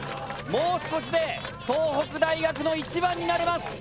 もう少しで東北大学の１番になれます。